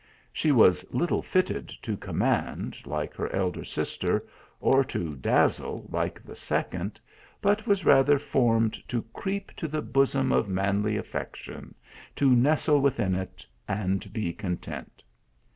She was little fitted to command like her elder sister, or to dazzle like the second ; but was rather formed to creep to the bosom of manly affection, to nestle within it, and be content.